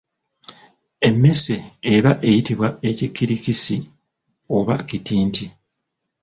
Emmese eba eyitibwa ekikirikisi oba kitinti.